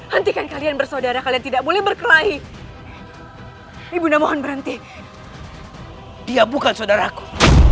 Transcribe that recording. hentikan kalian bersaudara kalian tidak boleh berkelahi ibunda mohon berhenti dia bukan saudaraku